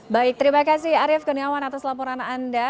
baik terima kasih arief kurniawan atas laporan anda